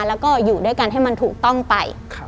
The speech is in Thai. แล้วก็อยู่ด้วยกันให้มันถูกต้องไป